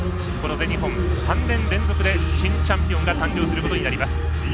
この全日本３年連続で新チャンピオンが誕生することになります。